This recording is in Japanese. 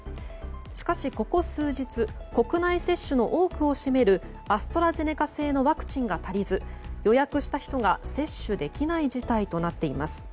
しかし、ここ数日国内接種の多くを占めるアストラゼネカ製のワクチンが足りず予約した人が接種できない事態となっています。